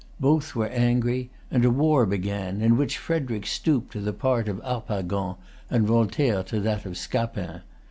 Both were angry; and a war began, in which Frederic stooped to the part of Harpagon, and Voltaire to that of Scapin.